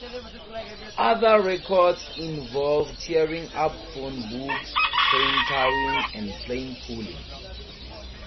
Other records involve tearing up phonebooks, train-towing and plane-pulling.